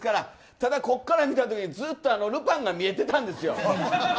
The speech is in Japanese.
ただここから見た時にずっとルパンが見えていたんですよ。